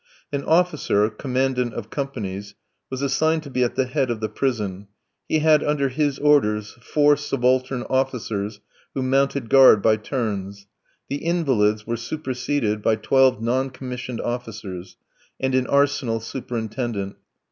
An officer, commandant of companies, was assigned to be at the head of the prison; he had under his orders four subaltern officers who mounted guard by turns. The "invalids" were superseded by twelve non commissioned officers, and an arsenal superintendent.